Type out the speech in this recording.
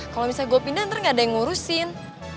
kalau misalnya gue pindah nanti gak ada yang ngurusin